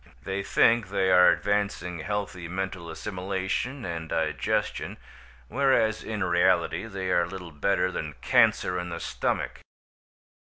They think they are advancing healthy mental assimilation and digestion, whereas in reality they are little better than cancer in the stomach.